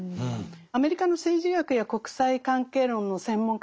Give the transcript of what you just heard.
アメリカの政治学や国際関係論の専門家たちはですね